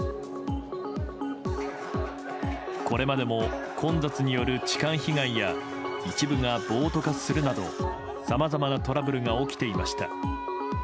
これまでも混雑による痴漢被害や一部が暴徒化するなどさまざまなトラブルが起きていました。